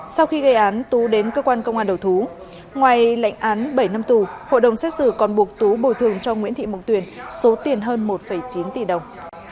sau khi gây án tú đến cơ quan công an đầu thú ngoài lệnh án bảy năm tù hội đồng xét xử còn buộc tú bồi thường cho nguyễn thị mộng tuyền số tiền hơn một chín tỷ đồng